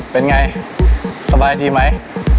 เป็นไงสบายดีไหม